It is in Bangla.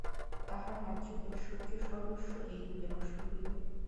তাঁহার রাজ্য, ঐশ্বর্য সর্বস্ব এইরূপে নষ্ট হইল।